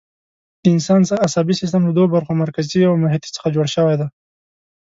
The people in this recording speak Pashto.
د انسان عصبي سیستم له دوو برخو، مرکزي او محیطي څخه جوړ شوی دی.